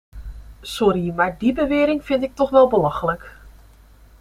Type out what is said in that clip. Sorry, maar die bewering vind ik toch wel belachelijk.